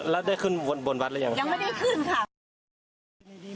แล้วได้ขึ้นบนวัดหรือยังยังไม่ได้ขึ้นค่ะ